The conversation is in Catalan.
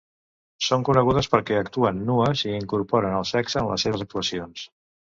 Són conegudes perquè actuen nues i incorporen el sexe en les seves actuacions.